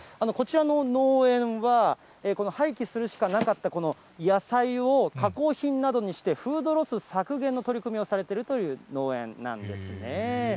こちらの農園は、この廃棄するしかなかったこの野菜を加工品などにして、フードロス削減の取り組みをされているという農園なんですね。